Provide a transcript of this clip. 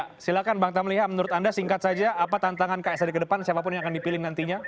ya silahkan bang tamliha menurut anda singkat saja apa tantangan ksad ke depan siapapun yang akan dipilih nantinya